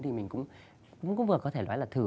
thì mình cũng vừa có thể nói là thử